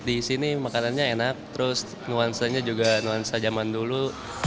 di sini makanannya enak terus nuansanya juga nuansa zaman dulu